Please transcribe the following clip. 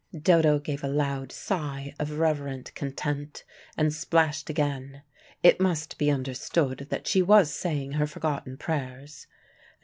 Dodo gave a loud sigh of reverent content and splashed again. It must be understood that she was saying her forgotten prayers.